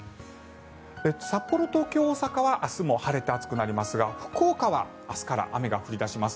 札幌、東京、大阪は明日も晴れて暑くなりますが福岡は明日から雨が降り出します。